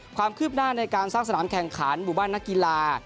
ความคืบหน้าในการสร้างสนามแข่งขันหมู่บ้านนักกีฬา